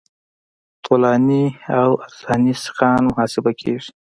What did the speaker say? طولاني او عرضاني سیخان محاسبه کیږي